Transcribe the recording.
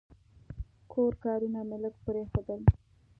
کور کارونه مې لږ پرېښودل.